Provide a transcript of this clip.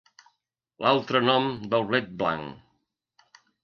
L'altre nom del blet blanc.